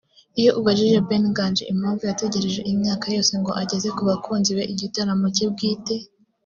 Iyo ubajije Ben Nganji impamvu yategereje iyi myaka yose ngo ageze ku bakunzi be igitaramo cye bwite